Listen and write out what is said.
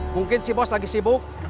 mungkin si bos lagi sibuk